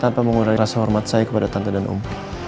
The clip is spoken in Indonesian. tanpa mengurangi rasa hormat saya kepada tante dan umroh